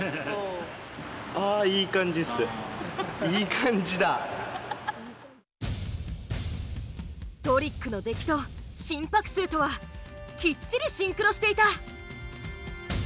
何かトリックの出来と心拍数とはきっちりシンクロしていた。